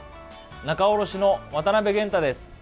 仲卸の渡辺玄太です。